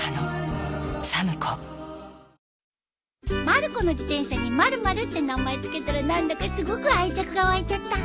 まる子の自転車に「まるまる」って名前付けたら何だかすごく愛着が湧いちゃった。